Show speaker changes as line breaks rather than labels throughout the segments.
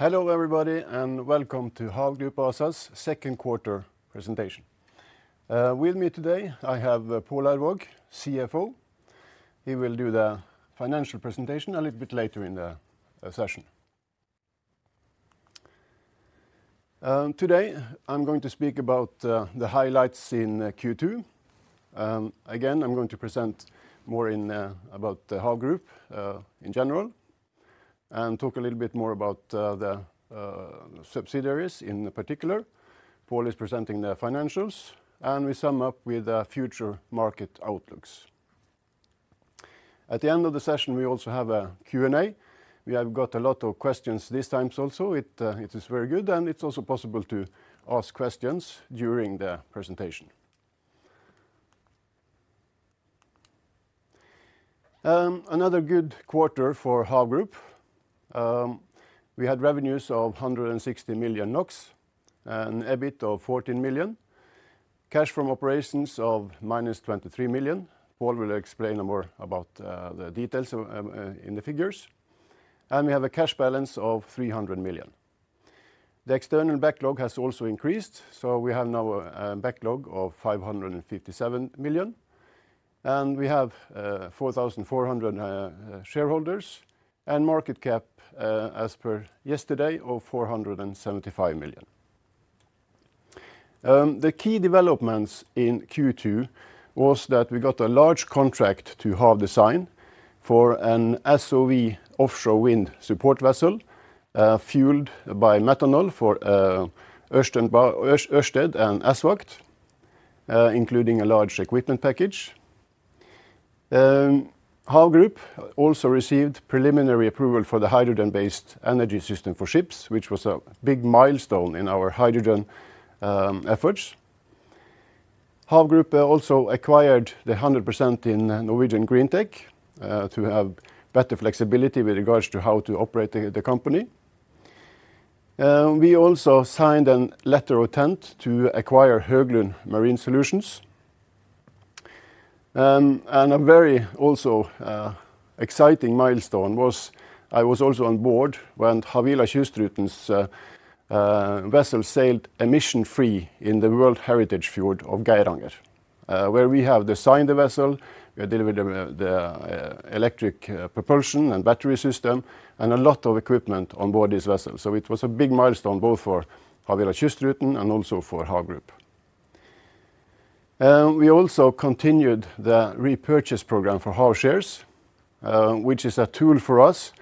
Hello, everybody, and welcome to Hav Group ASA's second quarter presentation. With me today I have Pål Aurvåg, CFO. He will do the financial presentation a little bit later in the session. Today I'm going to speak about the highlights in Q2. Again, I'm going to present more about the Hav Group in general and talk a little bit more about the subsidiaries in particular. Pål is presenting the financials, and we sum up with the future market outlooks. At the end of the session, we also have a Q&A. We have got a lot of questions this time also. It is very good, and it's also possible to ask questions during the presentation. Another good quarter for Hav Group. We had revenues of 160 million NOK and EBIT of 14 million, cash from operations of -23 million. Pål will explain more about the details in the figures, and we have a cash balance of 300 million. The external backlog has also increased, so we have now a backlog of 557 million, and we have 4,400 shareholders and market cap as per yesterday of 475 million. The key developments in Q2 was that we got a large contract to Hav Design for an SOV offshore wind support vessel fueled by methanol for Ørsted and ACWA, including a large equipment package. Hav Group also received preliminary approval for the hydrogen-based energy system for ships, which was a big milestone in our hydrogen efforts. Hav Group also acquired the 100% in Norwegian Greentech to have better flexibility with regards to how to operate the company. We also signed a letter of intent to acquire Høglund Marine Solutions. Also a very exciting milestone as I was also on board when Havila Kystruten's vessel sailed emission-free in the World Heritage fjord of Geiranger, where we have designed the vessel. We delivered the electric propulsion and battery system and a lot of equipment on board this vessel, so it was a big milestone both for Havila Kystruten and also for Hav Group. We also continued the repurchase program for Hav shares, which is a tool for us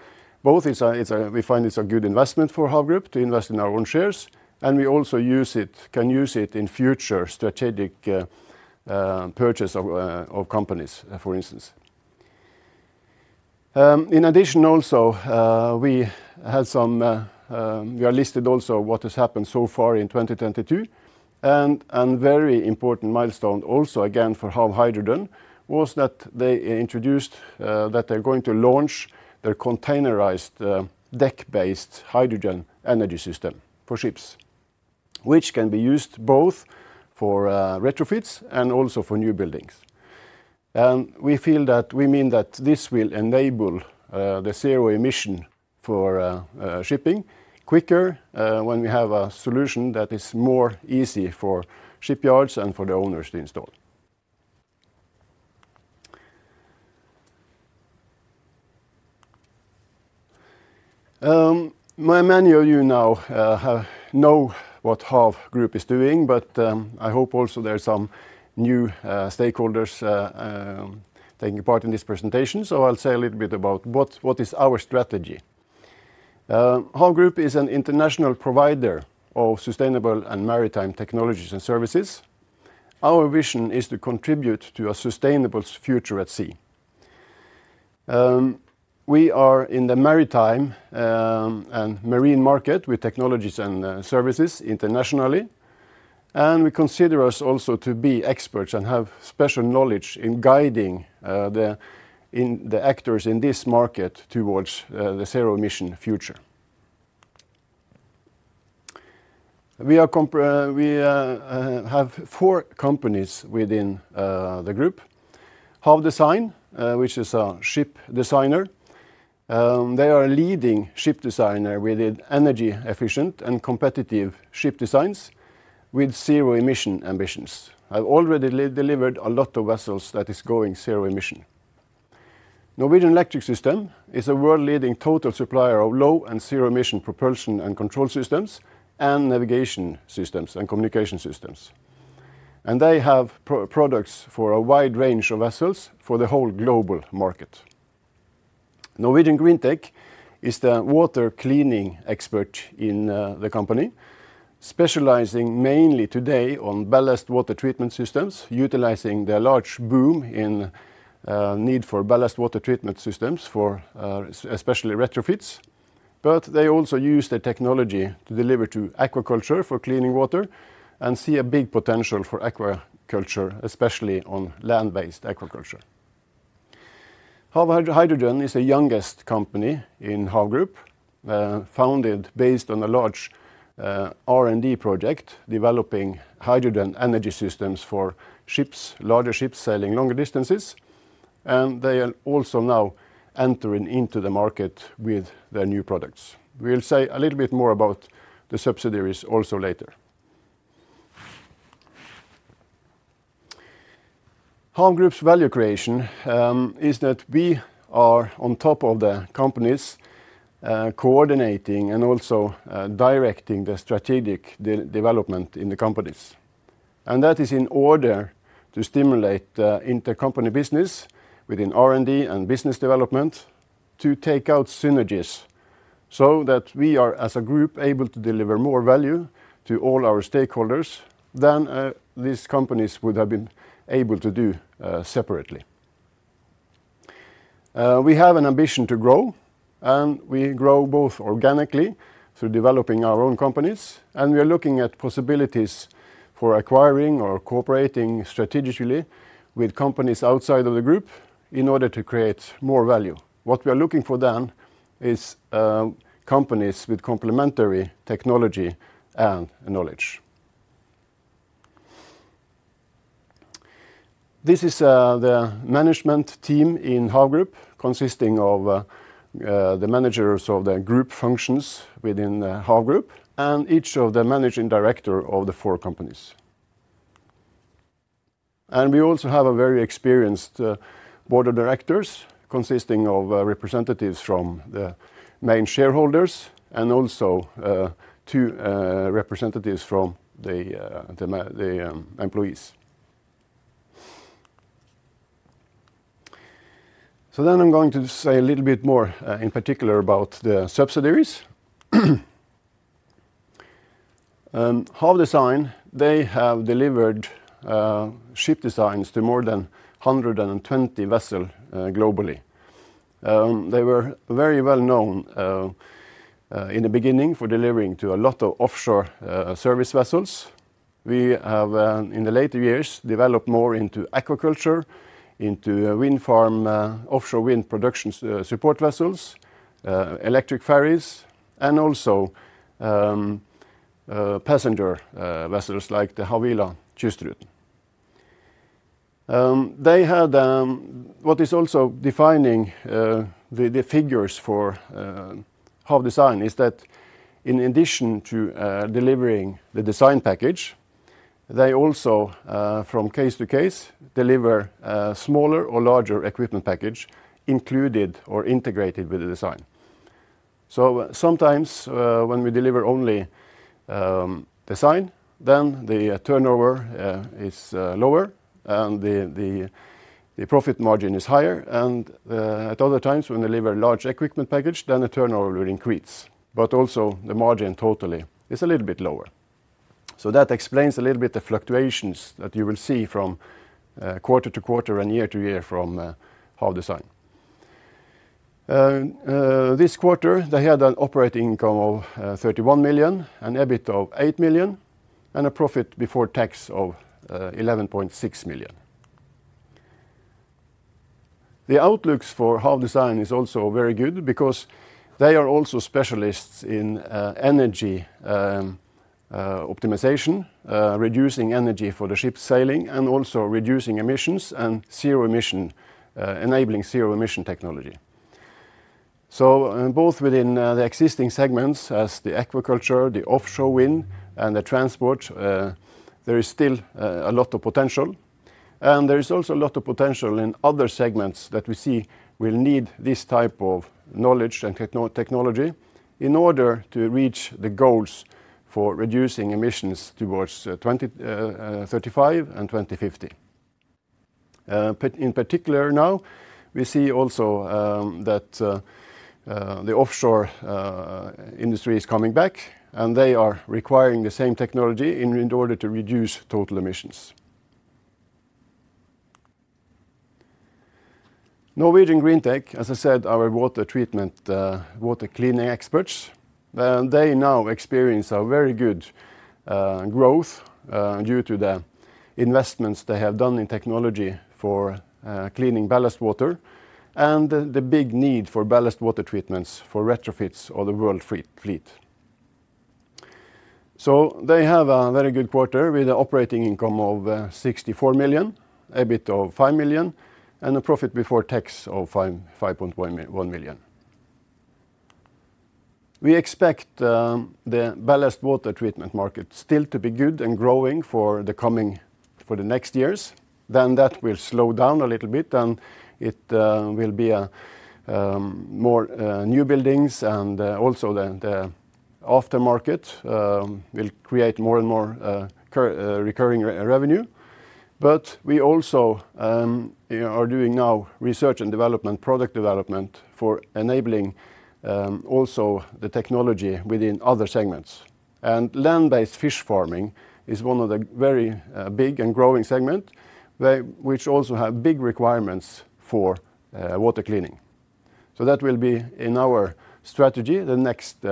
both. We find it's a good investment for Hav Group to invest in our own shares, and we also use it, can use it in future strategic purchase of companies, for instance. We are also listed, what has happened so far in 2022, and very important milestone also again for HAV Hydrogen was that they introduced that they're going to launch their containerized deck-based hydrogen energy system for ships. Which can be used both for retrofits and also for new buildings. We feel that, we mean that this will enable the zero emission for shipping quicker, when we have a solution that is more easy for shipyards and for the owners to install. Many of you now have known what Hav Group is doing, but I hope also there are some new stakeholders taking part in this presentation, so I'll say a little bit about what is our strategy. Hav Group is an international provider of sustainable and maritime technologies and services. Our vision is to contribute to a sustainable future at sea. We are in the maritime and marine market with technologies and services internationally, and we consider us also to be experts and have special knowledge in guiding the actors in this market towards the zero-emission future. We have four companies within the group. Hav Design, which is a ship designer. They are a leading ship designer with energy efficient and competitive ship designs with zero-emission ambitions, have already delivered a lot of vessels that is going zero emission. Norwegian Electric Systems is a world-leading total supplier of low and zero-emission propulsion and control systems and navigation systems and communication systems, and they have products for a wide range of vessels for the whole global market. Norwegian Greentech is the water cleaning expert in the company, specializing mainly today on ballast water treatment systems, utilizing the large boom in need for ballast water treatment systems for especially retrofits. They also use the technology to deliver to aquaculture for cleaning water and see a big potential for aquaculture, especially on land-based aquaculture. HAV Hydrogen is the youngest company in HAV Group, founded based on a large R&D project developing hydrogen energy systems for ships, larger ships sailing longer distances. They are also now entering into the market with their new products. We'll say a little bit more about the subsidiaries also later. HAV Group's value creation is that we are on top of the companies, coordinating and also directing the strategic development in the companies. That is in order to stimulate inter-company business within R&D and business development to take out synergies so that we are, as a group, able to deliver more value to all our stakeholders than these companies would have been able to do separately. We have an ambition to grow, and we grow both organically through developing our own companies, and we are looking at possibilities for acquiring or cooperating strategically with companies outside of the group in order to create more value. What we are looking for then is companies with complementary technology and knowledge. This is the management team in Hav Group, consisting of the managers of the group functions within Hav Group and each of the managing director of the four companies. We also have a very experienced board of directors consisting of representatives from the main shareholders and also two representatives from the employees. I'm going to say a little bit more in particular about the subsidiaries. Hav Design, they have delivered ship designs to more than 120 vessels globally. They were very well known in the beginning for delivering to a lot of offshore service vessels. We have in the later years developed more into aquaculture, into wind farm, offshore wind production support vessels, electric ferries and also passenger vessels like the Havila Kystruten. They had what is also defining the figures for Hav Design is that in addition to delivering the design package, they also from case to case deliver smaller or larger equipment package included or integrated with the design. Sometimes when we deliver only design, then the turnover is lower and the profit margin is higher. At other times when they deliver large equipment package, then the turnover will increase. Also the margin totally is a little bit lower. That explains a little bit the fluctuations that you will see from quarter to quarter and year to year from Hav Design. This quarter they had an operating income of 31 million, an EBIT of 8 million, and a profit before tax of 11.6 million. The outlooks for Hav Design is also very good because they are also specialists in energy optimization, reducing energy for the ship sailing and also reducing emissions and zero emission enabling zero emission technology. Both within the existing segments as the aquaculture, the offshore wind and the transport, there is still a lot of potential. There is also a lot of potential in other segments that we see will need this type of knowledge and technology in order to reach the goals for reducing emissions towards 2035 and 2050. In particular now, we see also that the offshore industry is coming back and they are requiring the same technology in order to reduce total emissions. Norwegian Greentech, as I said, our water treatment water cleaning experts, they now experience a very good growth due to the investments they have done in technology for cleaning ballast water and the big need for ballast water treatments for retrofits of the world fleet. They have a very good quarter with an operating income of NOK 64 million, EBIT of 5 million, and a profit before tax of 5.1 million. We expect the ballast water treatment market still to be good and growing for the next years. Then that will slow down a little bit and it will be more new buildings and also the aftermarket will create more and more recurring revenue. But we also are doing now research and development, product development for enabling also the technology within other segments. Land-based fish farming is one of the very big and growing segment which also have big requirements for water cleaning. That will be in our strategy, the next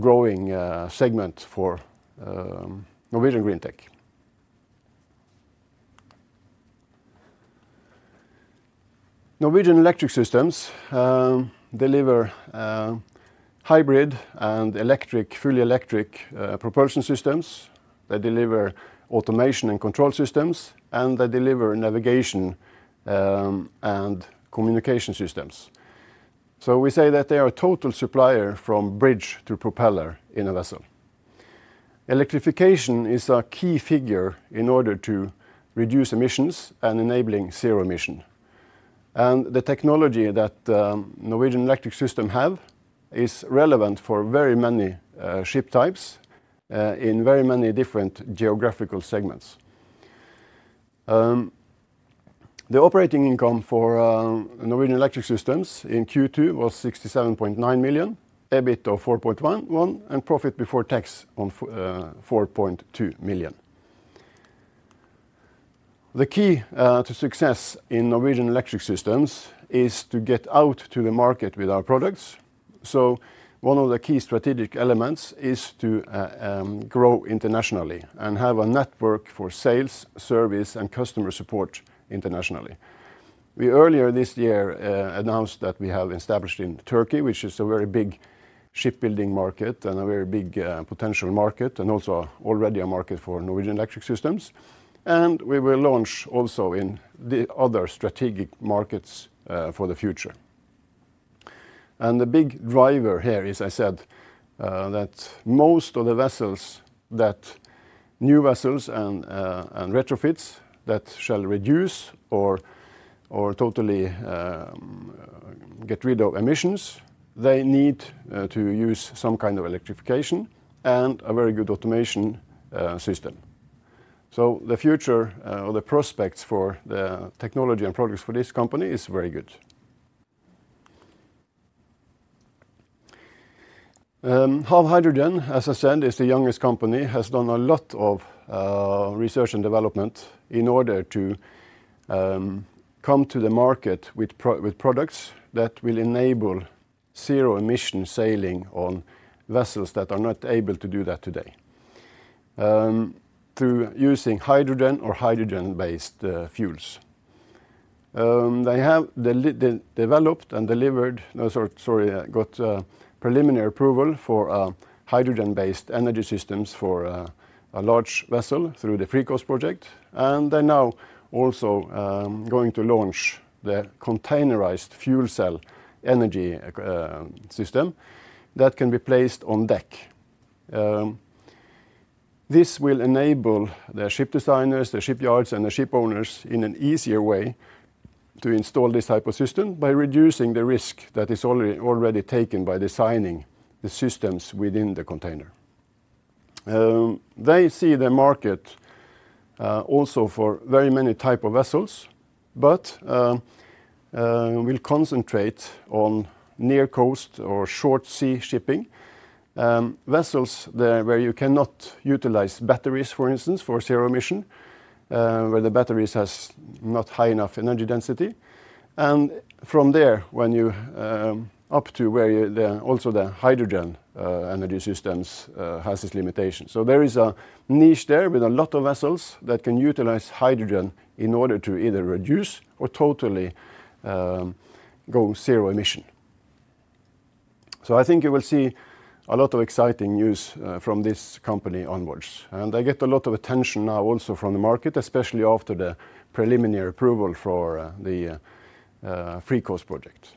growing segment for Norwegian Greentech. Norwegian Electric Systems deliver hybrid and electric, fully electric propulsion systems. They deliver automation and control systems, and they deliver navigation and communication systems. We say that they are a total supplier from bridge to propeller in a vessel. Electrification is a key factor in order to reduce emissions and enabling zero emission. The technology that Norwegian Electric Systems have is relevant for very many ship types in very many different geographical segments. The operating income for Norwegian Electric Systems in Q2 was 67.9 million, EBIT of 4.11, and profit before tax 4.2 million. The key to success in Norwegian Electric Systems is to get out to the market with our products. One of the key strategic elements is to grow internationally and have a network for sales, service, and customer support internationally. We earlier this year announced that we have established in Turkey, which is a very big shipbuilding market and a very big potential market, and also already a market for Norwegian Electric Systems. We will launch also in the other strategic markets for the future. The big driver here, as I said, that most of the vessels, new vessels and retrofits that shall reduce or totally get rid of emissions, they need to use some kind of electrification and a very good automation system. The future, or the prospects for the technology and products for this company is very good. HAV Hydrogen, as I said, is the youngest company, has done a lot of research and development in order to come to the market with products that will enable zero-emission sailing on vessels that are not able to do that today, through using hydrogen or hydrogen-based fuels. They got preliminary approval for hydrogen-based energy systems for a large vessel through the FreeCO2ast project, and they're now also going to launch the containerized fuel cell energy system that can be placed on deck. This will enable the ship designers, the shipyards, and the ship owners in an easier way to install this type of system by reducing the risk that is already taken by designing the systems within the container. They see the market also for very many type of vessels, but will concentrate on near coast or short sea shipping vessels there where you cannot utilize batteries, for instance, for zero emission. Where the batteries has not high enough energy density. From there up to where the hydrogen energy systems has its limitations. There is a niche there with a lot of vessels that can utilize hydrogen in order to either reduce or totally go zero emission. I think you will see a lot of exciting news from this company onwards. They get a lot of attention now also from the market, especially after the preliminary approval for the FreeCO2ast project.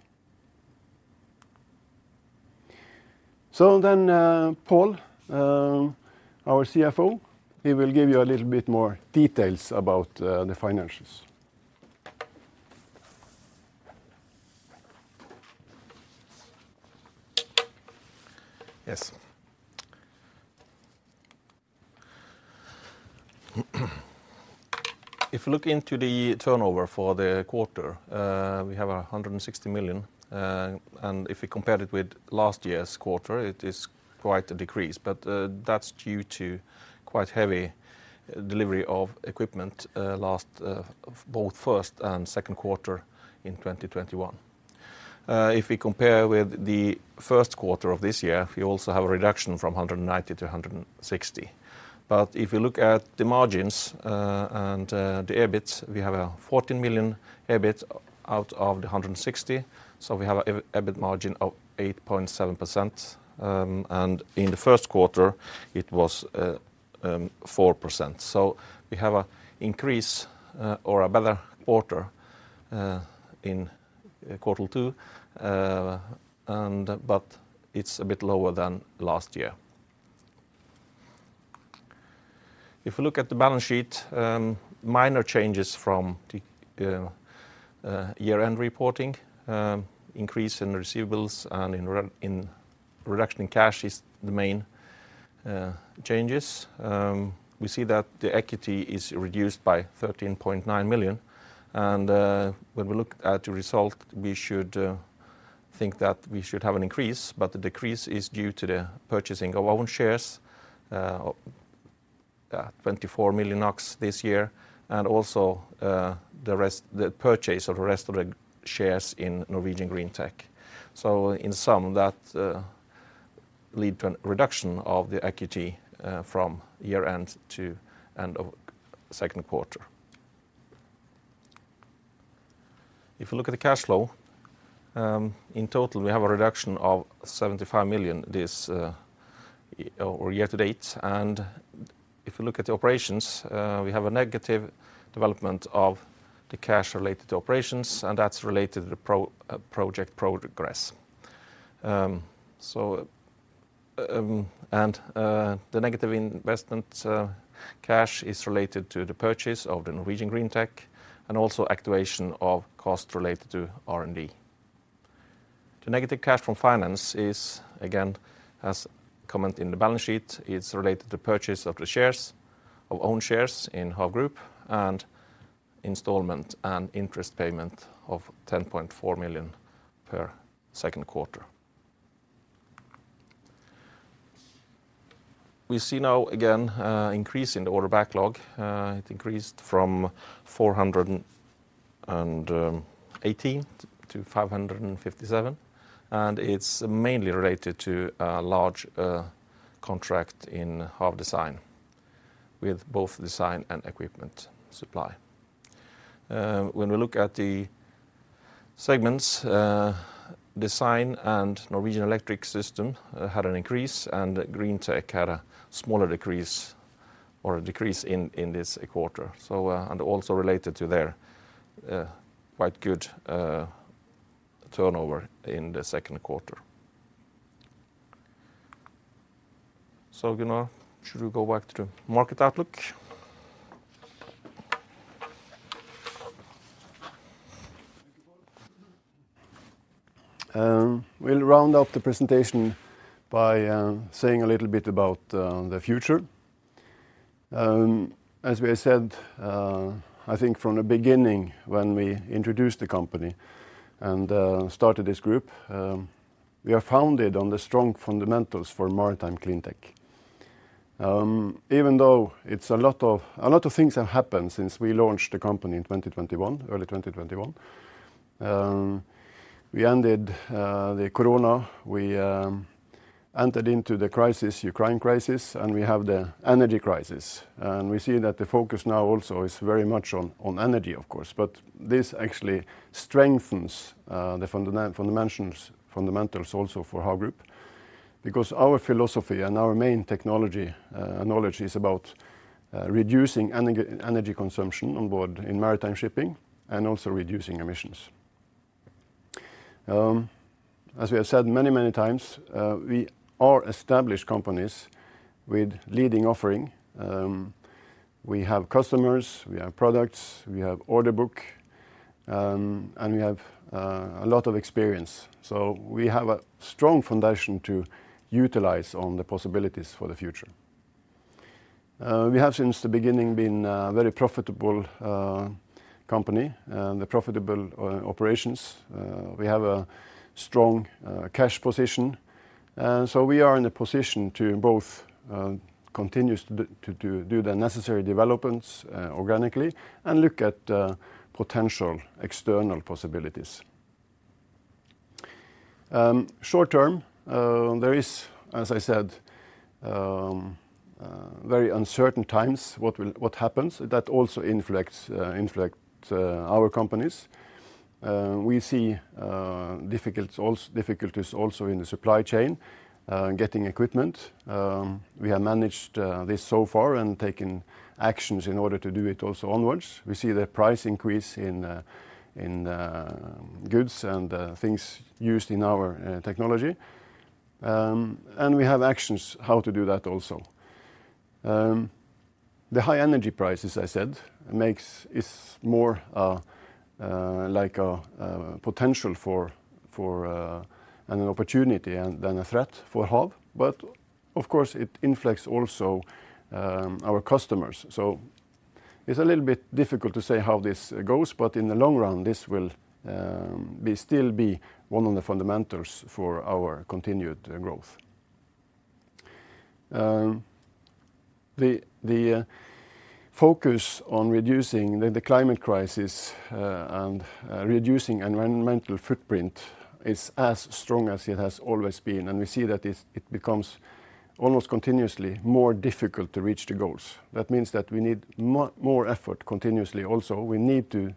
Pål Aurvåg, our CFO, he will give you a little bit more details about the finances.
Yes. If you look into the turnover for the quarter, we have 160 million. If we compare it with last year's quarter, it is quite a decrease, but that's due to quite heavy delivery of equipment last both first and second quarter in 2021. If we compare with the first quarter of this year, we also have a reduction from 190 million to 160 million. If you look at the margins and the EBIT, we have 14 million EBIT out of the 160 million, so we have an EBIT margin of 8.7%. In the first quarter, it was 4%. We have an increase or a better quarter in quarter two, but it's a bit lower than last year. If you look at the balance sheet, minor changes from the year-end reporting. Increase in receivables and a reduction in cash is the main changes. We see that the equity is reduced by 13.9 million, and when we look at the result, we should think that we should have an increase, but the decrease is due to the purchasing of own shares, 24 million NOK this year, and also the purchase of the rest of the shares in Norwegian Greentech. In sum, that leads to a reduction of the equity from year-end to end of second quarter. If you look at the cash flow, in total, we have a reduction of 75 million this year to date. If you look at the operations, we have a negative development of the cash related to operations, and that's related to project progress. The negative investment cash is related to the purchase of the Norwegian Greentech and also activation of costs related to R&D. The negative cash from finance is again, as commented in the balance sheet, it's related to purchase of own shares in Hav Group and installment and interest payment of 10.4 million per second quarter. We see now again, increase in the order backlog. It increased from 418 to 557, and it's mainly related to a large contract in Hav Design with both design and equipment supply. When we look at the segments, Design and Norwegian Electric Systems had an increase, and Norwegian Greentech had a smaller decrease or a decrease in this quarter. Also related to their quite good turnover in the second quarter. Gunnar, should we go back to market outlook?
We'll round up the presentation by saying a little bit about the future. As we have said, I think from the beginning when we introduced the company and started this group, we are founded on the strong fundamentals for Maritime CleanTech. Even though a lot of things have happened since we launched the company in 2021, early 2021. We ended the Corona. We entered into the Ukraine crisis, and we have the energy crisis. We see that the focus now also is very much on energy of course, but this actually strengthens the fundamentals also for Hav Group, because our philosophy and our main technology knowledge is about reducing energy consumption on board in maritime shipping and also reducing emissions. As we have said many, many times, we are established companies with leading offering. We have customers, we have products, we have order book, and we have a lot of experience. We have a strong foundation to utilize on the possibilities for the future. We have since the beginning been a very profitable company, the profitable operations. We have a strong cash position. We are in a position to both continue to do the necessary developments organically and look at potential external possibilities. Short-term, there is, as I said, very uncertain times what happens that also affect our companies. We see difficulties also in the supply chain getting equipment. We have managed this so far and taken actions in order to do it also onwards. We see the price increase in goods and things used in our technology. We have actions how to do that also. The high energy prices, as I said, is more like a potential for an opportunity than a threat for Hav. But of course it affects also our customers. It's a little bit difficult to say how this goes, but in the long run, this will still be one of the fundamentals for our continued growth. The focus on reducing the climate crisis and reducing environmental footprint is as strong as it has always been. We see that it becomes almost continuously more difficult to reach the goals. That means that we need more effort continuously also. We need to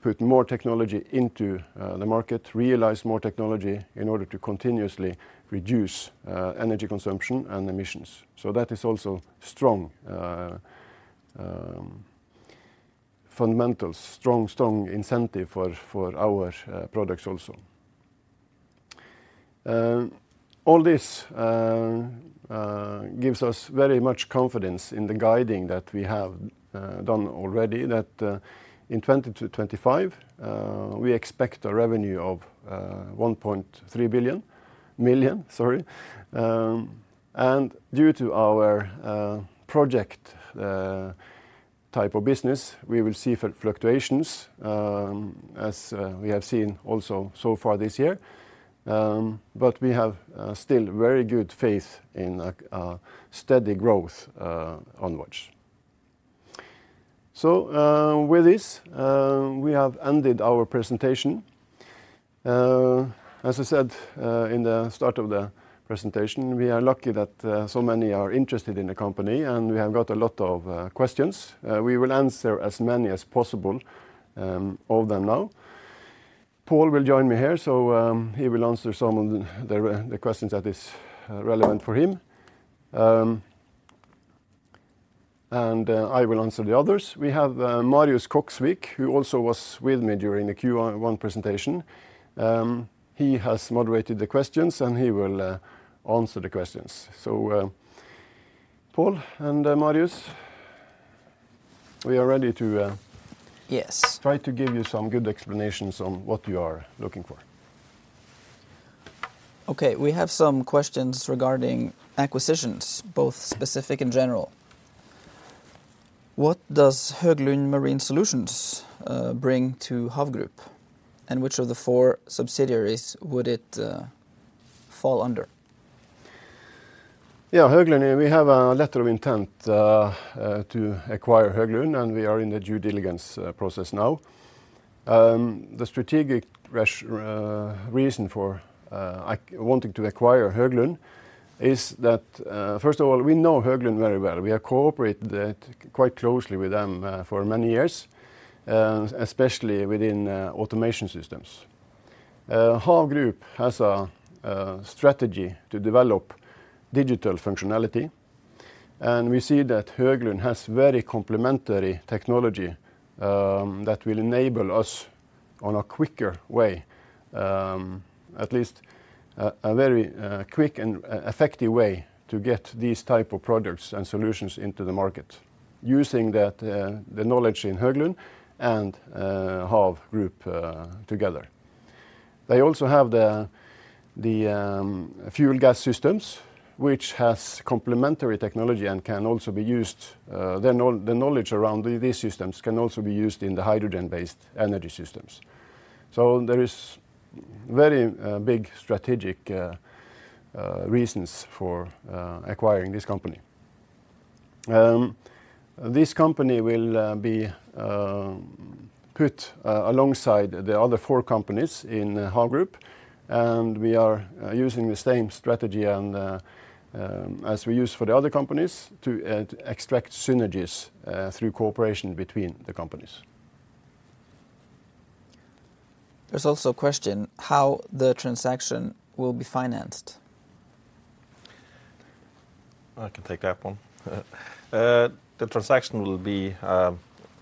put more technology into the market, realize more technology in order to continuously reduce energy consumption and emissions. That is also strong fundamentals, strong incentive for our products also. All this gives us very much confidence in the guiding that we have done already that in 2020-2025 we expect a revenue of 1.3 million. Due to our project type of business, we will see fluctuations as we have seen also so far this year. We have still very good faith in a steady growth onwards. With this, we have ended our presentation. As I said, in the start of the presentation, we are lucky that so many are interested in the company, and we have got a lot of questions. We will answer as many as possible of them now. Pål will join me here, so he will answer some of the questions that is relevant for him. I will answer the others. We have Marius Koksvik, who also was with me during the Q1 presentation. He has moderated the questions, and he will answer the questions. Pål and Marius, we are ready to.
Yes
Try to give you some good explanations on what you are looking for.
Okay, we have some questions regarding acquisitions, both specific and general. What does Høglund Marine Solutions bring to Hav Group, and which of the four subsidiaries would it fall under?
Yeah, Høglund, we have a letter of intent to acquire Høglund, and we are in the due diligence process now. The strategic reason for wanting to acquire Høglund is that, first of all, we know Høglund very well. We have cooperated quite closely with them for many years, especially within automation systems. Hav Group has a strategy to develop digital functionality, and we see that Høglund has very complementary technology that will enable us on a quicker way, at least a very quick and effective way to get these type of products and solutions into the market using the knowledge in Høglund and Hav Group together. They also have fuel gas systems, which has complementary technology and can also be used. The knowledge around these systems can also be used in the hydrogen-based energy systems. There is very big strategic reasons for acquiring this company. This company will be put alongside the other four companies in Hav Group, and we are using the same strategy and as we use for the other companies to extract synergies through cooperation between the companies.
There's also a question how the transaction will be financed.
I can take that one. The transaction will be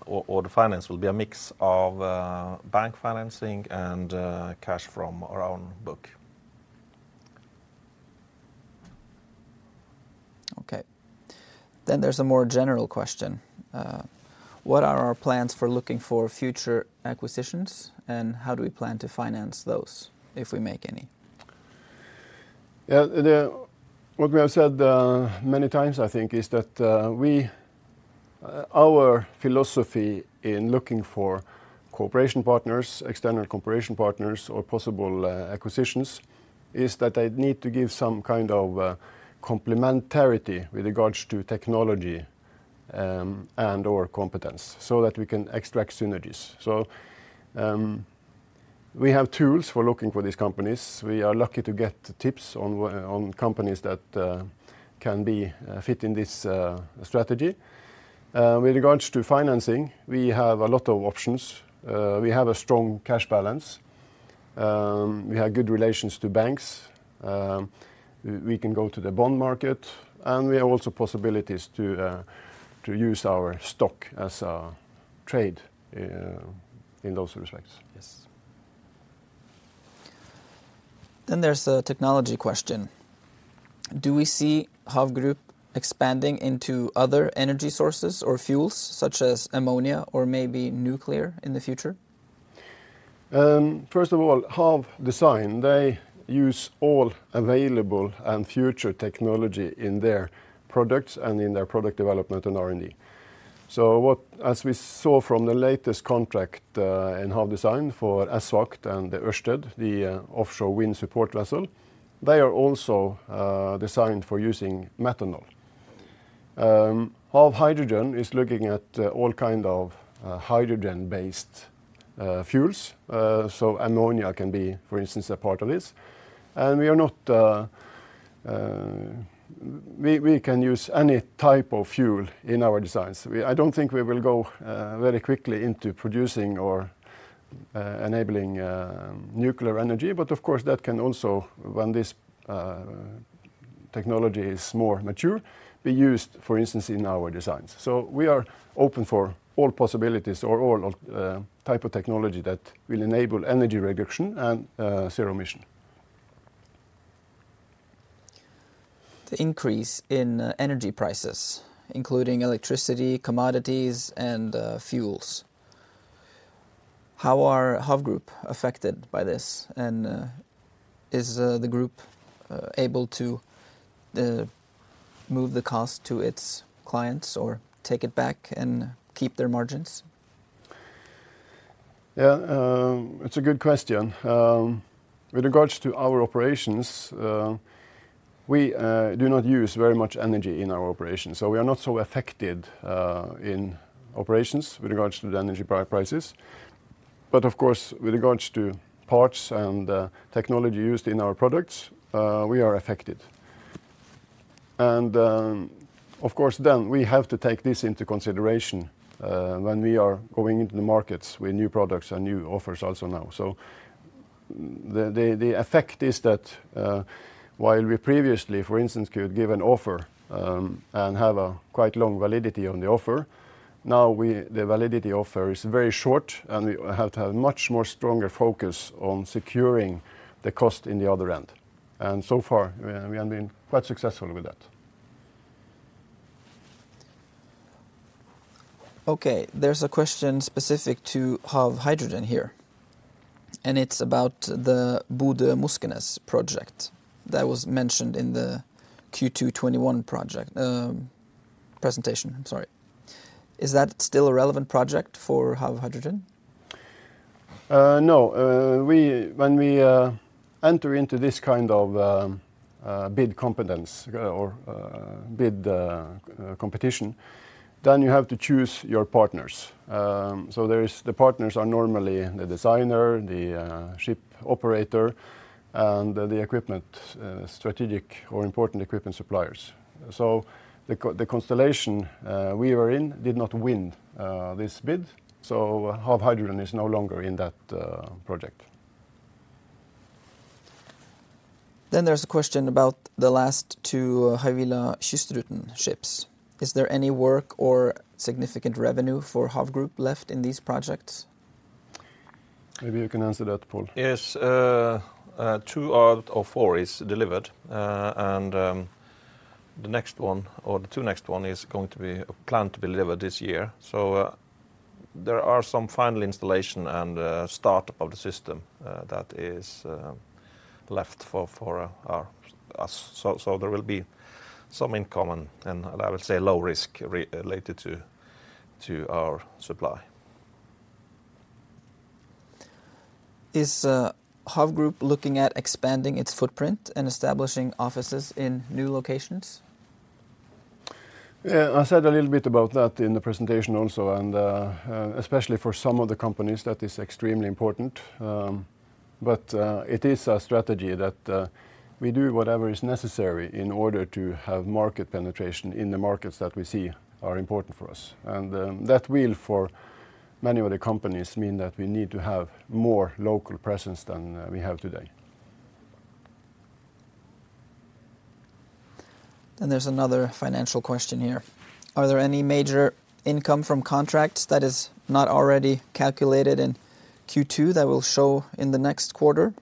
or the finance will be a mix of bank financing and cash from our own book.
Okay. There's a more general question. What are our plans for looking for future acquisitions, and how do we plan to finance those, if we make any?
Yeah, what we have said many times, I think, is that our philosophy in looking for cooperation partners, external cooperation partners, or possible acquisitions, is that they need to give some kind of complementarity with regards to technology, and/or competence so that we can extract synergies. We have tools for looking for these companies. We are lucky to get tips on on companies that can be fit in this strategy. With regards to financing, we have a lot of options. We have a strong cash balance. We have good relations to banks. We can go to the bond market, and we have also possibilities to use our stock as a trade in those respects.
Yes. There's a technology question. Do we see Hav Group expanding into other energy sources or fuels, such as ammonia or maybe nuclear in the future?
First of all, Hav Design, they use all available and future technology in their products and in their product development and R&D. As we saw from the latest contract in Hav Design for ESVAGT and Ørsted, the offshore wind support vessel, they are also designed for using methanol. Hav Hydrogen is looking at all kind of hydrogen-based fuels, so ammonia can be, for instance, a part of this. We can use any type of fuel in our designs. I don't think we will go very quickly into producing or enabling nuclear energy, but of course, that can also, when this technology is more mature, be used, for instance, in our designs. We are open for all possibilities or all of type of technology that will enable energy reduction and zero emission.
The increase in energy prices, including electricity, commodities, and fuels, how are Hav Group affected by this? Is the group able to move the cost to its clients or take it back and keep their margins?
Yeah, it's a good question. With regards to our operations, we do not use very much energy in our operations, so we are not so affected in operations with regards to the energy prices. Of course, with regards to parts and technology used in our products, we are affected. Of course then, we have to take this into consideration when we are going into the markets with new products and new offers also now. The effect is that while we previously, for instance, could give an offer and have a quite long validity on the offer, now the validity offer is very short and we have to have much more stronger focus on securing the cost in the other end. So far, we have been quite successful with that.
Okay, there's a question specific to Hav Hydrogen here, and it's about the Bodø–Moskenes project that was mentioned in the Q2 2021 presentation. I'm sorry. Is that still a relevant project for Hav Hydrogen?
When we enter into this kind of bid competition, then you have to choose your partners. The partners are normally the designer, the ship operator, and the strategic or important equipment suppliers. The constellation we were in did not win this bid, so HAV Hydrogen is no longer in that project.
There's a question about the last two Havila Kystruten ships. Is there any work or significant revenue for Hav Group left in these projects?
Maybe you can answer that, Pål.
Yes. Two out of four is delivered, and the next one or the two next one is going to be planned to be delivered this year. There are some final installation and startup of the system that is left for us. There will be some income and I would say low risk related to our supply.
Is Hav Group looking at expanding its footprint and establishing offices in new locations?
Yeah, I said a little bit about that in the presentation also, and especially for some of the companies, that is extremely important. It is a strategy that we do whatever is necessary in order to have market penetration in the markets that we see are important for us. That will, for many of the companies, mean that we need to have more local presence than we have today.
There's another financial question here. Are there any major income from contracts that is not already calculated in Q2 that will show in the next quarter?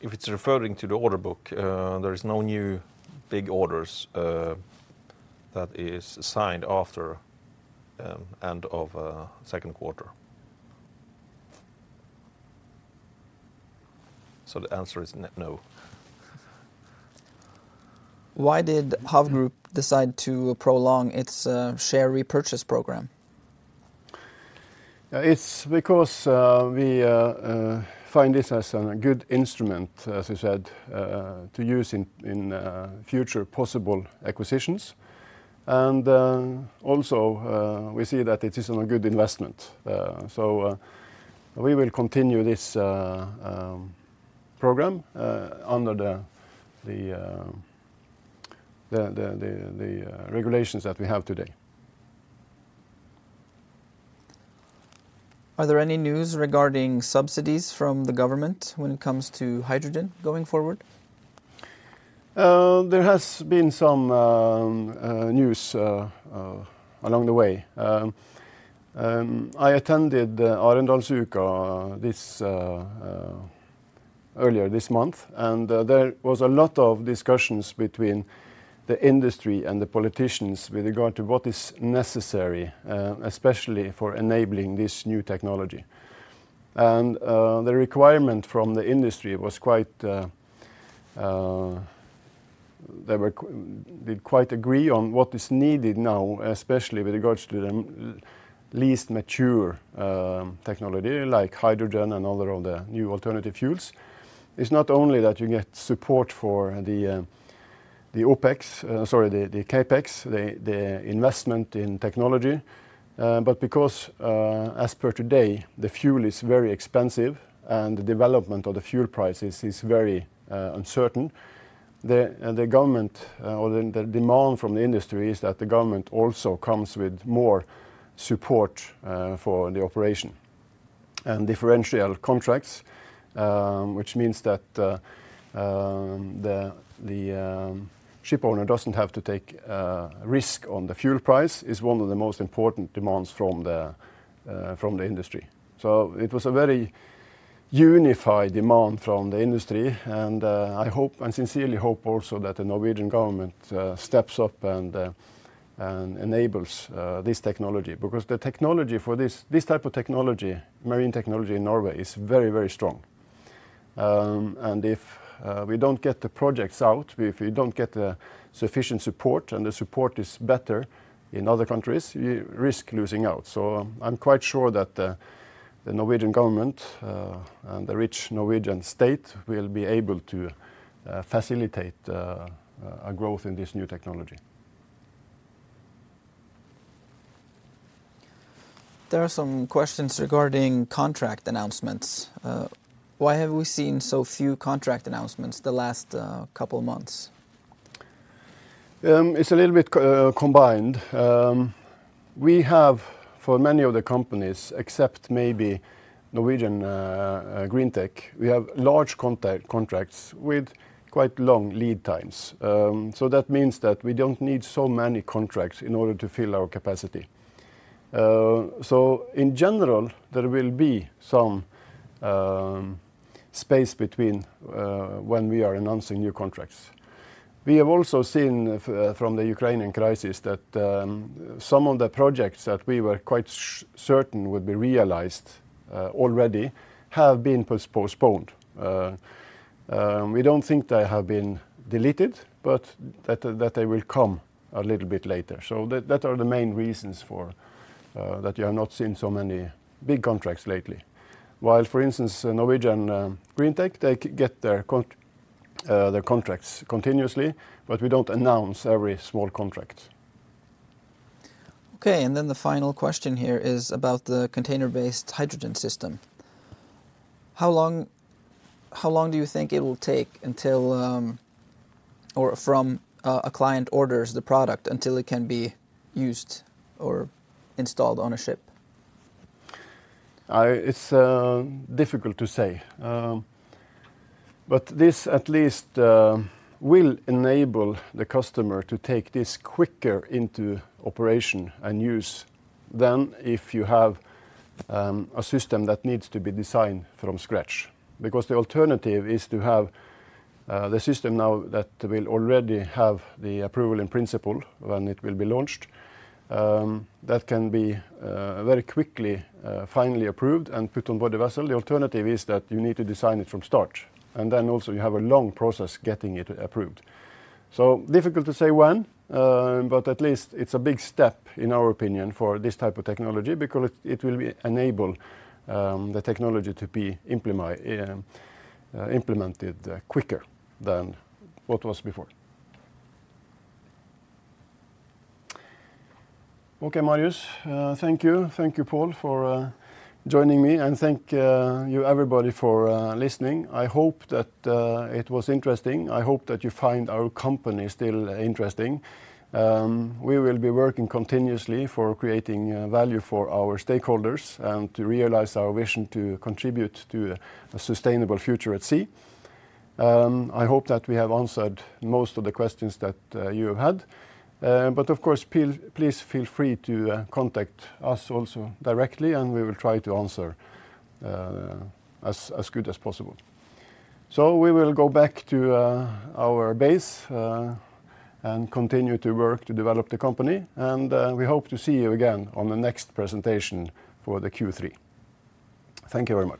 If it's referring to the order book, there is no new big orders that is signed after end of second quarter. The answer is no.
Why did Hav Group decide to prolong its share repurchase program?
It's because we find this as a good instrument, as we said, to use in future possible acquisitions. Also, we see that it is a good investment. We will continue this program under the regulations that we have today.
Are there any news regarding subsidies from the government when it comes to hydrogen going forward?
There has been some news along the way. I attended the Arendalsuka earlier this month, and there was a lot of discussions between the industry and the politicians with regard to what is necessary, especially for enabling this new technology. They quite agree on what is needed now, especially with regards to the least mature technology like hydrogen and other of the new alternative fuels. It's not only that you get support for the OPEX, sorry, the CAPEX, the investment in technology, but because as per today, the fuel is very expensive and the development of the fuel prices is very uncertain. The demand from the industry is that the government also comes with more support for the operation. Contracts for Difference, which means that the ship owner doesn't have to take risk on the fuel price, is one of the most important demands from the industry. It was a very unified demand from the industry and I hope. I sincerely hope also that the Norwegian government steps up and enables this technology. Because the technology for this type of technology, marine technology in Norway, is very, very strong. If we don't get the projects out, if we don't get the sufficient support, and the support is better in other countries, you risk losing out. I'm quite sure that the Norwegian government and the rich Norwegian state will be able to facilitate a growth in this new technology.
There are some questions regarding contract announcements. Why have we seen so few contract announcements the last couple months?
It's a little bit combined. We have for many of the companies, except maybe Norwegian Greentech, we have large contracts with quite long lead times. That means that we don't need so many contracts in order to fill our capacity. In general, there will be some space between when we are announcing new contracts. We have also seen from the Ukrainian crisis that some of the projects that we were quite certain would be realized already have been postponed. We don't think they have been deleted, but that they will come a little bit later. That are the main reasons for that you have not seen so many big contracts lately. While for instance, Norwegian Greentech, they get their contracts continuously, but we don't announce every small contract.
Okay, the final question here is about the container-based hydrogen system. How long do you think it will take until or from a client orders the product until it can be used or installed on a ship?
It's difficult to say. This at least will enable the customer to take this quicker into operation and use than if you have a system that needs to be designed from scratch. The alternative is to have the system now that will already have the approval in principle when it will be launched, that can be very quickly finally approved and put on board the vessel. The alternative is that you need to design it from scratch, and then also you have a long process getting it approved. Difficult to say when, but at least it's a big step in our opinion for this type of technology because it will enable the technology to be implemented quicker than what was before. Okay, Marius. Thank you. Thank you, Pål, for joining me, and thank you everybody for listening. I hope that it was interesting. I hope that you find our company still interesting. We will be working continuously for creating value for our stakeholders and to realize our vision to contribute to a sustainable future at sea. I hope that we have answered most of the questions that you have had. But of course, please feel free to contact us also directly, and we will try to answer as good as possible. We will go back to our base and continue to work to develop the company, and we hope to see you again on the next presentation for the Q3. Thank you very much.